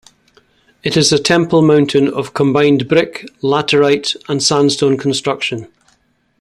It is a temple mountain of combined brick, laterite and sandstone construction.